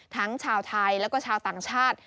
ทั้งชาวไทยแล้วก็ชาวต่างชาติ